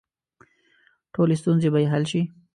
ټولې ستونزې به یې حل شي.